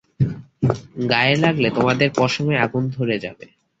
গায়ে লাগলে তোমাদের পশমে আগুন ধরে যাবে।